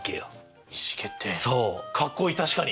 かっこいい確かに！